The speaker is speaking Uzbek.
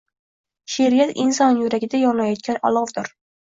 She’riyat inson yuragida yonayotgan olovdir.